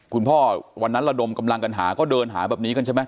วันนั้นระดมกำลังกันหาก็เดินหาแบบนี้กันใช่ไหม